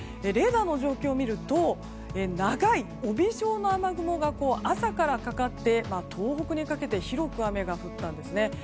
レーダーの状況を見ると長い帯状の雨雲が朝からかかって、東北にかけて広く雨が降ったんですね。